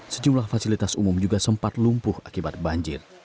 sejumlah fasilitas umum juga sempat lumpuh akibat banjir